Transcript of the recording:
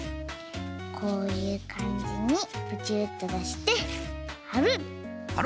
こういうかんじにブチュっとだしてはる！